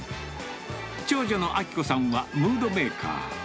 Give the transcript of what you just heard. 長女の明子さんはムードメーカー。